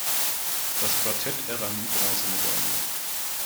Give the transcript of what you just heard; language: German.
Das Quartett errang die Bronzemedaille.